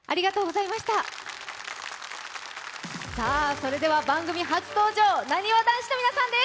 それでは番組初登場なにわ男子の皆さんです！